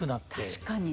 確かに。